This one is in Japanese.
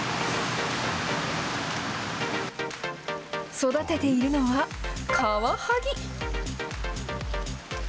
育てているのは、カワハギ。